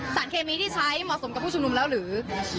สารเคมีที่ใช้เหมาะสมกับผู้ชุมนุมแล้วหรือ